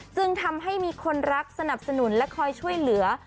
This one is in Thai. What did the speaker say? จึงทำให้มีคนรักสนับสนุนและคอยช่วยเหลือ